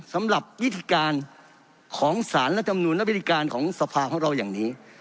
สำหรับวิธีการของสารรัฐมนุนและวิธีการของสภาของเราอย่างนี้